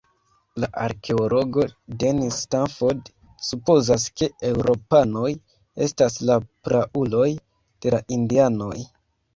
La arkeologo Dennis Stanford supozas, ke eŭropanoj estas la prauloj de la indianoj.